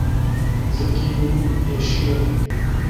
Zikê wî êşiya.